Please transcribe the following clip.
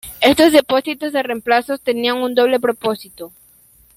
Estos depósitos de reemplazos tenían un doble propósito.